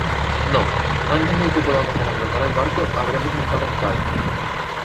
no, antes de que podamos abandonar el barco, habremos embarrancado ;